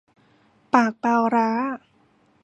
ปากปลาร้า